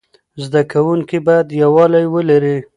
زده کوونکي باید یووالی ولري.